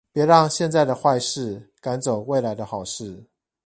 別讓現在的壞事趕走未來的好事